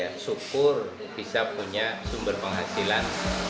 dan syukur bisa punya sumber penghasilan